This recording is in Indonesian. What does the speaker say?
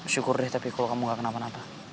syukur deh tapi kalau kamu gak kenapa napa